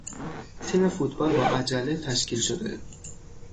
تیم فوتبال با عجله تشکیل شده